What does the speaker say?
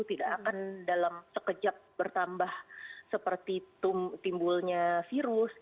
tidak akan dalam sekejap bertambah seperti timbulnya virus